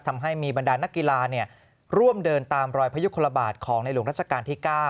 ทำให้มีบรรดานักกีฬาร่วมเดินตามรอยพยุคลบาทของในหลวงรัชกาลที่๙